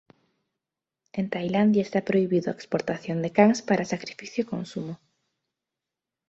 En Tailandia está prohibido a exportación de cans para sacrificio e consumo.